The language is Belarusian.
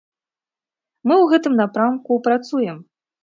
Мы ў гэтым напрамку працуем.